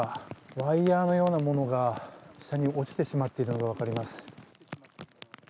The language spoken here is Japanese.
ワイヤのようなものが下に落ちてしまっているのがわかります。